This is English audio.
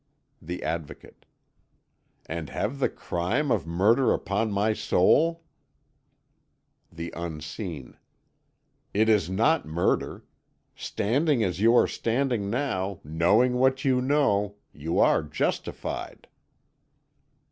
The Advocate: "And have the crime of murder upon my soul?" The Unseen: "It is not murder. Standing as you are standing now, knowing what you know, you are justified."